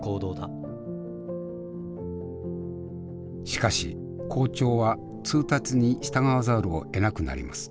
しかし校長は通達に従わざるをえなくなります。